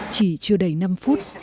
chỉ chưa đầy năm phút